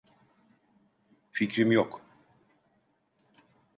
Fikrim yok.